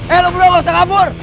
eh lo belum bisa kabur